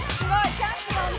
チャンピオンだわ！